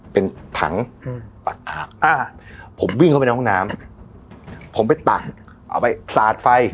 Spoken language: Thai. เป็นถังปักอาบอ่าผมวิ่งเข้าไปในห้องน้ำผมไปตักเอาไปสาดไฟ